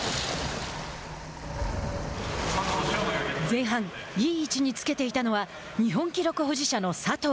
前半いい位置につけていたのは日本記録保持者の佐藤。